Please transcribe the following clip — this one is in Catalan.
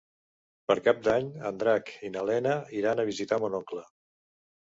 Per Cap d'Any en Drac i na Lena iran a visitar mon oncle.